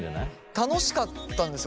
楽しかったんですよ。